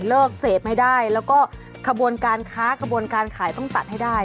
เลิกเสพให้ได้แล้วก็ขบวนการค้าขบวนการขายต้องตัดให้ได้